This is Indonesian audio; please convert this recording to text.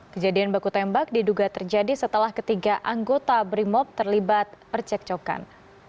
kejadian baku tembak diduga terjadi setelah ketiga anggota brimob terlibat percekcokan